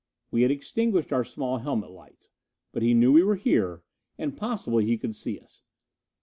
We had extinguished our small helmet lights. But he knew we were here, and possibly he could see us.